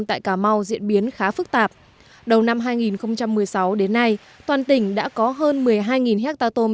tại cà mau diễn biến khá phức tạp đầu năm hai nghìn một mươi sáu đến nay toàn tỉnh đã có hơn một mươi hai hectare tôm